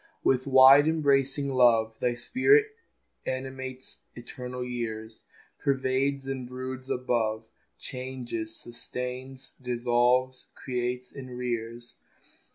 With wide embracing love Thy spirit animates eternal years, Pervades and broods above, Changes, sustains, dissolves, creates, and rears.